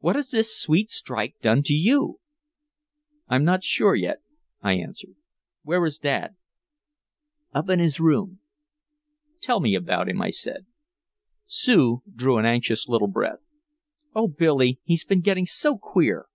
What has this sweet strike done to you?" "I'm not sure yet," I answered. "Where is Dad?" "Up in his room." "Tell me about him," I said. Sue drew an anxious little breath: "Oh Billy, he has been getting so queer.